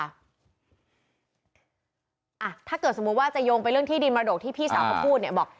ถ้าเกิดสมมุติว่าจะโยงไปเรื่องที่ดินมรดกที่พี่สาวเขาพูดเนี่ยบอก